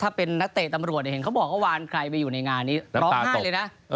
ถ้าเป็นนักเตะตำรวจเนี่ยเห็นเขาบอกว่าวานใครไปอยู่ในงานนี้ร้องไห้เลยนะ